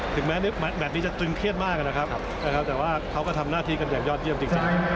แมทนี้จะตึงเครียดมากนะครับแต่ว่าเขาก็ทำหน้าที่กันอย่างยอดเยี่ยมจริง